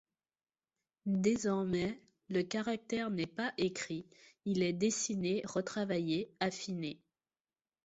Désormais le caractère n’est pas écrit, il est dessiné, retravaillé, affiné.